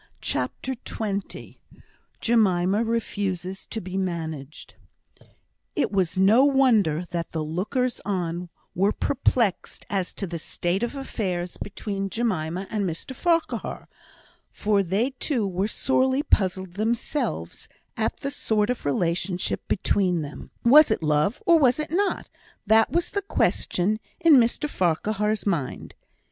CHAPTER XX Jemima Refuses to Be Managed It was no wonder that the lookers on were perplexed as to the state of affairs between Jemima and Mr Farquhar, for they too were sorely puzzled themselves at the sort of relationship between them. Was it love, or was it not? that was the question in Mr Farquhar's mind.